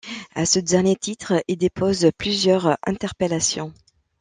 À ce dernier titre, il dépose plusieurs interpellations.